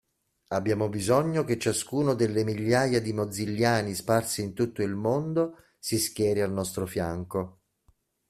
Abbiamo bisogno che ciascuno delle migliaia di Mozilliani sparsi in tutto il mondo si schieri al nostro fianco.